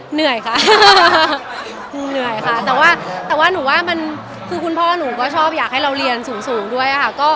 เหนื่อยค่ะเหนื่อยค่ะแต่ว่าแต่ว่าหนูว่ามันคือคุณพ่อหนูก็ชอบอยากให้เราเรียนสูงด้วยค่ะ